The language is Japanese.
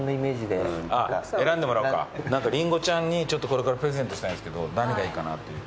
何かりんごちゃんにこれからプレゼントしたいんすけど何がいいかなという。